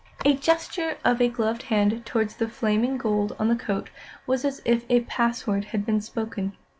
A gesture of a gloved hand towards the flaming gold on the coat was as if a password had been spoken.